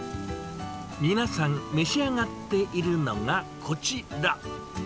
皆さん、召し上がっているのがこちら。